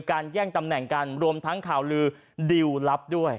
แย่งตำแหน่งกันรวมทั้งข่าวลือดิวลลับด้วย